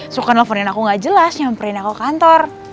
suka nelfonin aku gak jelas nyamperin aku kantor